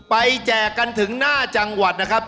แจกกันถึงหน้าจังหวัดนะครับ